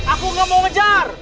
aku nggak mau ngejar